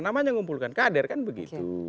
namanya ngumpulkan kader kan begitu